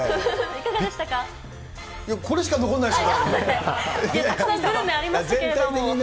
いや、これしか残んないです